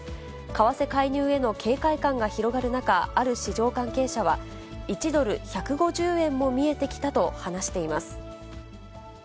為替介入への警戒感が広がる中、ある市場関係者は、１ドル１５０円も見えてきたと話しています。